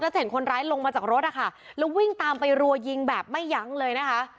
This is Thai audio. จะเห็นคนร้ายลงมาจากรถนะคะแล้ววิ่งตามไปรัวยิงแบบไม่ยั้งเลยนะคะ